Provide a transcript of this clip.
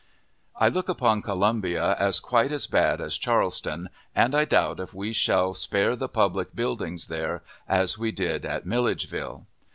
I look upon Colombia as quite as bad as Charleston, and I doubt if we shall spare the public buildings there as we did at Milledgeville.